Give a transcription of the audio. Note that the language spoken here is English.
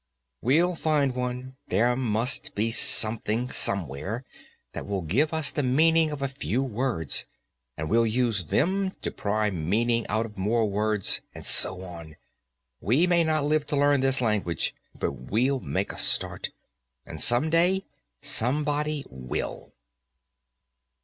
"We'll find one. There must be something, somewhere, that will give us the meaning of a few words, and we'll use them to pry meaning out of more words, and so on. We may not live to learn this language, but we'll make a start, and some day somebody will."